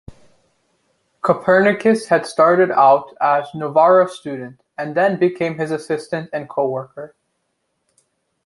Copernicus had started out as Novara's student and then became his assistant and co-worker.